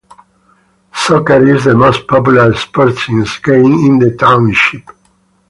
Soccer is the most popular sporting game in the township.